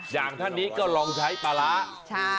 อย่างท่านนี้ก็ลองใช้ปลาร้า